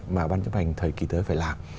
mà ban chấp hành thời kỳ tới phải làm